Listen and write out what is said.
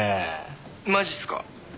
「マジっすか？」